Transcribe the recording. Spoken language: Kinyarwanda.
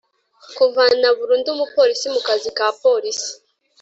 kuvana burundu umupolisi mu kazi ka Polisi